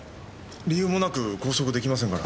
理由もなく拘束できませんから。